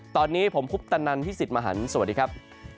ตอนนี้ผมคุปตะนันพี่สิทธิ์มหันฯสวัสดีครับ